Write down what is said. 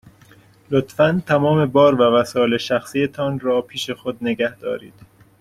لطفاً تمام بار و وسایل شخصی تان را پیش خود نگه دارید.